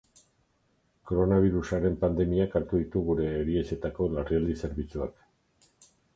Koronabirusaren pandemiak hartu ditu gure erietxeetako larrialdi zerbitzuak.